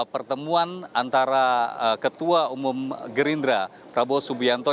pertemuan antara ketua umum gerindra prabowo subianto